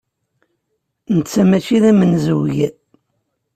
Netta maci d amenzug.